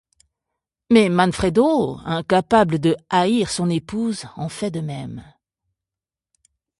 Mais Manfredo incapable de hair son épouse en fait de même.